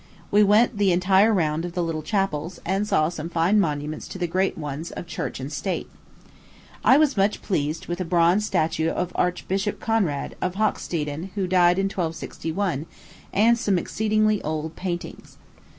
We went the entire round of the little chapels, and saw some fine monuments to the great ones of church and state. I was much pleased with a bronze statue of Archbishop Conrad, of Hocksteden, who died in 1261, and some exceedingly old paintings.